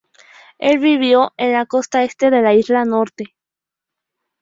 Él vivió en la costa este de la Isla Norte.